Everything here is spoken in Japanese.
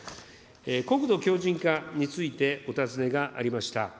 国土強じん化についてお尋ねがありました。